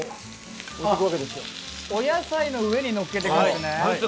お野菜の上にのっけていくんですね。